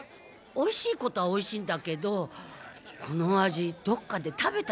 おいしいことはおいしいんだけどこの味どっかで食べたような気が。